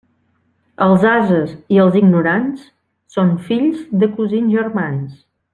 Els ases i els ignorants són fills de cosins germans.